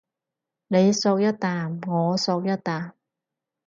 你嗦一啖我嗦一啖